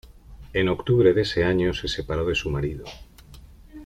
En octubre de ese año se separó de su marido.